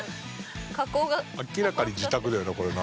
明らかに自宅だよなこれな。